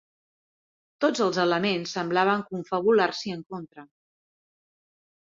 Tots els elements semblaven confabular-s'hi en contra.